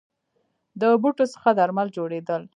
د بوټو څخه درمل جوړیدل